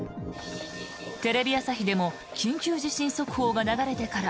テレビ朝日でも緊急地震速報が流れてから